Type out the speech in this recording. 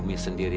aber kamu sendiri